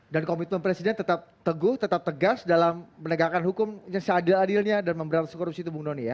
dan komitmen presiden tetap teguh tetap tegas dalam menegakkan hukum yang seadil adilnya dan memberangkan korupsi tubuh noni ya